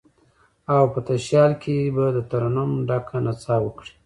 او په تشیال کې به، دترنم ډکه نڅا وکړي